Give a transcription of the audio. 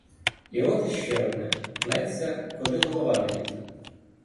І от іще одне: пнеться, куди голова не лізе.